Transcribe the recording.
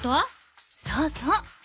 そうそう。